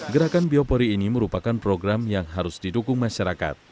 gerakan biopori ini merupakan program yang harus didukung masyarakat